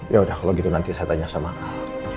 ya udah kalau gitu nanti saya tanya sama ah